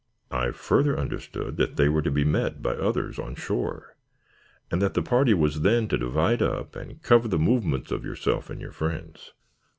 I further understood that they were to be met by others on shore and that the party was then to divide up and cover the movements of yourself and your friends.